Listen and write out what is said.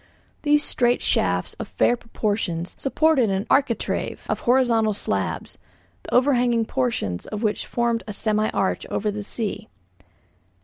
These straight shafts, of fair proportions, supported an architrave of horizontal slabs, the overhanging portion of which formed a semi arch over the sea.